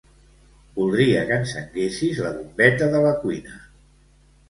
Voldria que encenguessis la bombeta de la cuina.